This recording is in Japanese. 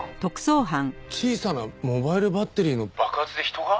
えっ小さなモバイルバッテリーの爆発で人が？